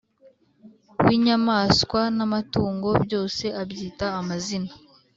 w'inyamaswa n'amatungo; byose abyita amazina.